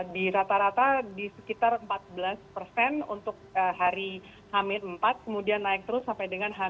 di rata rata di sekitar empat belas persen untuk hari hamin empat kemudian naik terus sampai dengan h dua